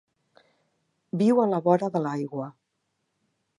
Viu a la vora de l'aigua.